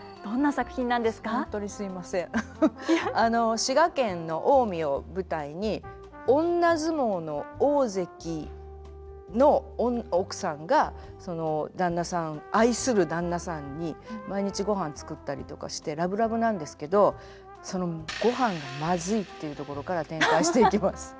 あの滋賀県の近江を舞台に女相撲の大関の奥さんがその旦那さん愛する旦那さんに毎日ごはん作ったりとかしてラブラブなんですけどそのごはんがまずいっていうところから展開していきます。